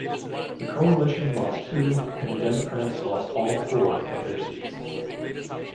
The Coalition lost two, and the Democrats lost all four of their seats.